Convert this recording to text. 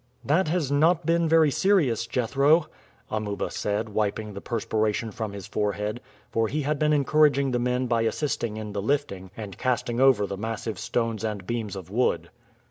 "That has not been very serious, Jethro," Amuba said, wiping the perspiration from his forehead; for he had been encouraging the men by assisting in the lifting and casting over the massive stones and beams of wood.